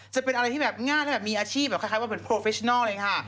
จะเป็นอะไรที่แบบง่ายแล้วก็มีอาชีพแบบคล้ายว่าเป็นเลยค่ะ